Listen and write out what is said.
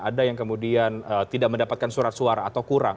ada yang kemudian tidak mendapatkan surat suara atau kurang